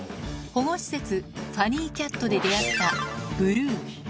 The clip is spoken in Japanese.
保護施設、ファニーキャットで出会ったブルー。